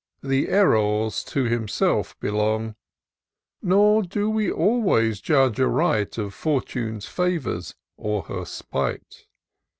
The errors to himself belong; Nor do we always judge aright Of Fortune's favours, or her spite.